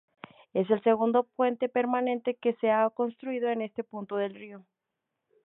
Es el segundo puente permanente que se ha construido en este punto del río.